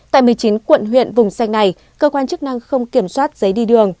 tại một mươi chín quận huyện vùng xanh này cơ quan chức năng không kiểm soát giấy đi đường